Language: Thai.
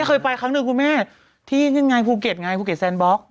เคยไปครั้งหนึ่งคุณแม่ที่นั่นไงภูเก็ตไงภูเก็ตแซนบล็อก